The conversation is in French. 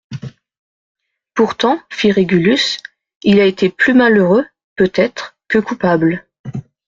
Pourtant, fit Régulus, il a été plus malheureux peut-être que coupable.